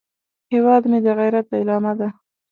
هیواد مې د غیرت علامه ده